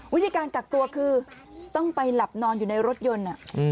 วิธีการกักตัวคือต้องไปหลับนอนอยู่ในรถยนต์